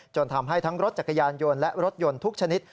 ทำให้ทั้งรถจักรยานยนต์และรถยนต์ทุกชนิด